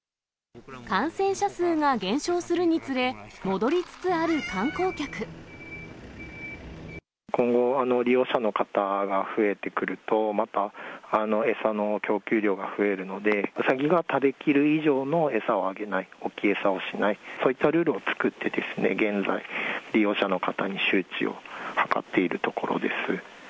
感染者数が減少するにつれ、今後、利用者の方が増えてくると、また餌の供給量が増えるので、ウサギが食べきる以上の餌をあげない、置き餌をしない、そういったルールを作って、現在、利用者の方に周知を図っているところです。